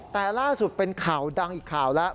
แต่ล่าสุดเป็นข่าวดังอีกข่าวแล้ว